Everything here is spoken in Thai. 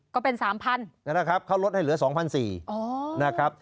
ก็เป็น๓๐๐๐นะครับเขาลดให้เหลือ๒๔๐๐นะครับ